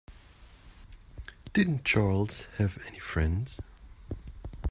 Didn't Charles have any friends?